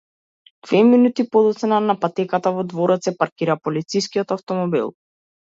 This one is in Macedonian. Две минути подоцна на патеката во дворот се паркира полицискиот автомобил.